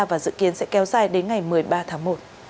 và dự kiến sẽ kéo dài đến ngày một mươi ba tháng một